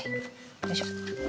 よいしょ。